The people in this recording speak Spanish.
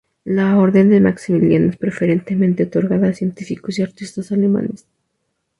La Orden de Maximiliano es preferentemente otorgada a científicos y artistas alemanes.